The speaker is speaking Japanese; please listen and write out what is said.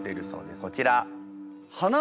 こちら。